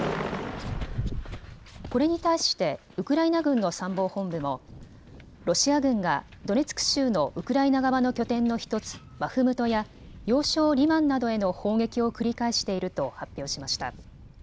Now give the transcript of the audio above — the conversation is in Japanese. これに対してウクライナ軍の参謀本部もロシア軍がドネツク州のウクライナ側の拠点の１つ、バフムトや要衝リマンなどへの砲撃を繰り返していると発表しました。